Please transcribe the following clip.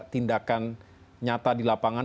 tindakan nyata di lapangan